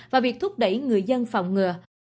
và việc thúc đẩy người dân phòng ngừa